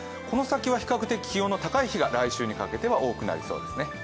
この先は比較的気温の高い日が来週にかけて多くなりそうですね。